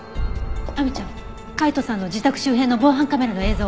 亜美ちゃん海斗さんの自宅周辺の防犯カメラの映像を。